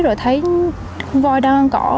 rồi thấy con voi đang ăn cỏ